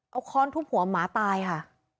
เอาค้อนทุบหัวหมาตายค่ะ